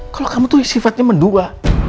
kalau kamu tuh sifatnya menduga